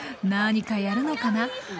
何かやるのかな？